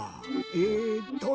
えっと